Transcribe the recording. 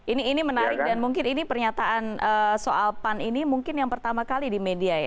ini menarik dan mungkin ini pernyataan soal pan ini mungkin yang pertama kali di media ya